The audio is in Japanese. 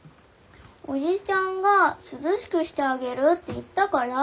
おじちゃんが涼しくしてあげるって言ったから！